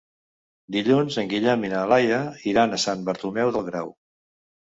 Dilluns en Guillem i na Laia iran a Sant Bartomeu del Grau.